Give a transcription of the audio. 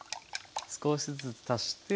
少しずつ足して。